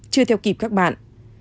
chưa theo kịp các bạn